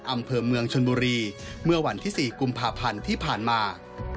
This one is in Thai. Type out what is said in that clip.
อำเภอเมืองชนบุรีเมื่อวันที่๔กุมภาพันธ์ที่ผ่านมา